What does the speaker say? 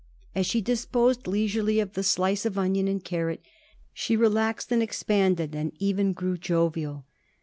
As she disposed leisurely of the slice of onion and carrot she relaxed and expanded and even grew jovial.